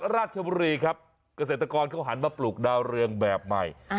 ราชบุรีครับเกษตรกรเขาหันมาปลูกดาวเรืองแบบใหม่